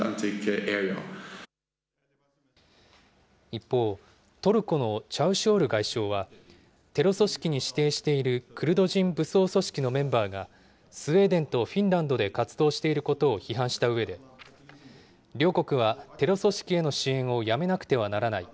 一方、トルコのチャウシュオール外相は、テロ組織に指定しているクルド人武装組織のメンバーが、スウェーデンとフィンランドで活動していることを批判したうえで、両国はテロ組織への支援をやめなくてはならない。